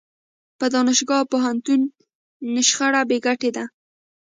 په دانشګاه او پوهنتون شخړه بې ګټې ده.